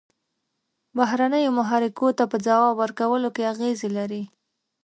بهرنیو محرکو ته په ځواب ورکولو کې اغیزې لري.